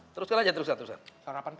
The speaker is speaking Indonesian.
teruskan aja terusan